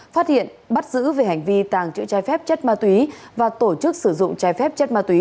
phát hiện bắt giữ về hành vi tàng trữ trái phép chất ma túy và tổ chức sử dụng trái phép chất ma túy